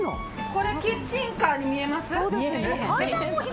これ、キッチンカーに見えます？